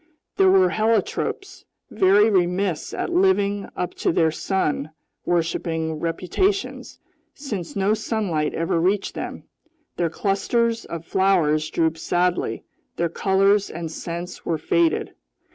There were heliotropes, very remiss at living up to their sun worshipping reputations since no sunlight ever reached them; their clusters of flowers drooped sadly, their colors and scents were faded.